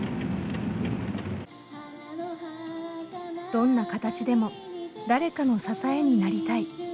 どんな形でも誰かの支えになりたい。